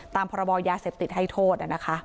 พรบยาเสพติดให้โทษ